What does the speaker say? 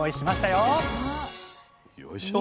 よいしょ！